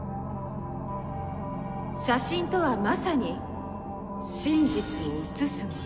写真とはまさに真実を写すもの。